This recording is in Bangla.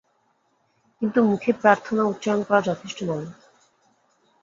কিন্তু মুখে প্রার্থনা উচ্চারণ করা যথেষ্ট নয়।